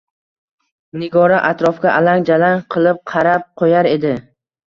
Nigora atrofga alang-jalang qilib qarab qoʻyar edi.